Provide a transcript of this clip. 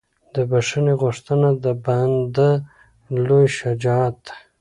د بښنې غوښتنه د بنده لویه شجاعت ده.